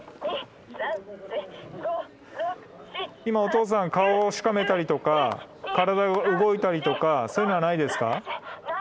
今おとうさん顔をしかめたりとか体動いたりとかそういうのはないですか？